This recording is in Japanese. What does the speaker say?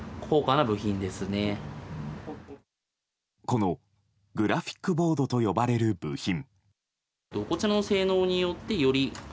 このグラフィックボードと呼ばれる部品。